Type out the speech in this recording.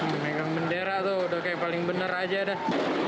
menegang bendera tuh udah kayak paling bener aja dah